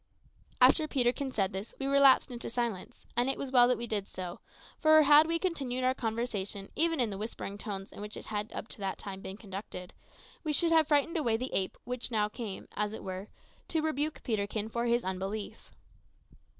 After Peterkin said this, we relapsed into silence; and it was well that we did so, for had we continued our conversation even in the whispering tones in which it had up to that time been conducted, we should have frightened away the ape which now came, as it were, to rebuke Peterkin for his unbelief.